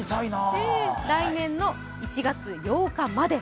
来年の１月８日まで。